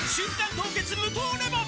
凍結無糖レモン」